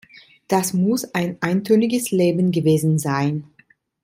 Das muss ein eintöniges Leben gewesen sein.